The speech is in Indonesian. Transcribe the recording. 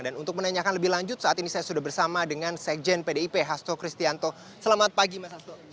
dan untuk menanyakan lebih lanjut saat ini saya sudah bersama dengan sekjen pdip hasto kristianto selamat pagi mas hasto